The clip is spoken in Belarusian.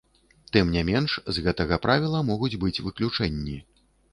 Тым не менш, з гэтага правіла могуць быць выключэнні.